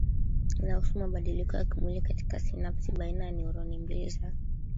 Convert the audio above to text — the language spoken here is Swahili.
Inahusu mabadiliko ya kimwili katika sinapsi baina ya neuroni mbili za